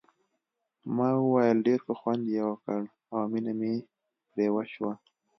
ما وویل ډېر ښه خوند یې وکړ او مینه مې پرې وشوه.